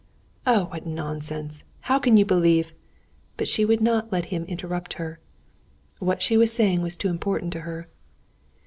"Oh, what nonsense! How can you believe...." But she would not let him interrupt her. What she was saying was too important to her.